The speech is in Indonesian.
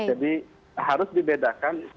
jadi harus dibedakan